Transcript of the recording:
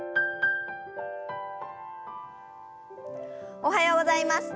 おはようございます。